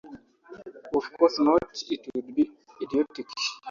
Of course not; it would be idiotic!